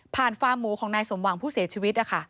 ผ่านฟาหมูของนายสมบังผู้เสียชีวิต